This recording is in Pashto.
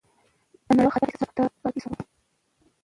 د نړیوال خطر احساس محتاط پاتې شو،